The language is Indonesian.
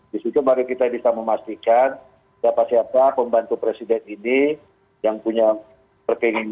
disitu baru kita bisa memastikan siapa siapa pembantu presiden ini yang punya perkeinginan untuk ikut dalam pertarungan pilpres dua ribu dua puluh empat